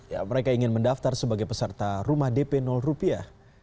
ya mereka ingin mendaftar sebagai peserta rumah dp rupiah